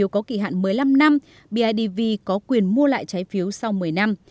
có kỳ hạn một mươi năm năm bidv có quyền mua lại trái phiếu sau một mươi năm